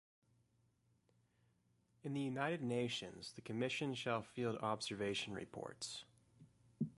In the United Nations, the Commission shall field observation reports.